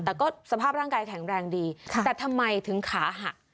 แต่ก็สภาพร่างกายแข็งแรงดีแต่ทำไมถึงขาหัก